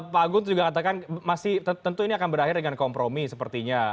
pak agung juga katakan masih tentu ini akan berakhir dengan kompromi sepertinya